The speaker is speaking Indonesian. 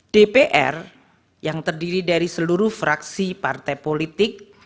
dpr yang terdiri dari seluruh fraksi partai politik